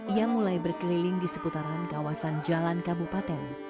ia mulai berkeliling di seputaran kawasan jalan kabupaten